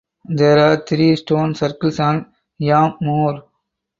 There are three stone circles on Eyam Moor.